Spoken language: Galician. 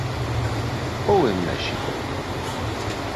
Ou en México?